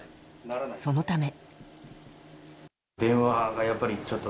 そのため。